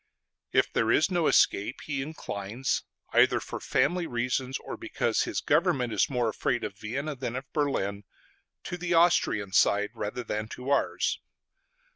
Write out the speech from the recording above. If there is no escape, he inclines, either for family reasons or because his government is more afraid of Vienna than of Berlin, to the Austrian side rather than to ours.